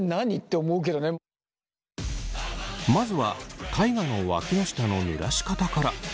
まずは大我のわきの下のぬらし方から。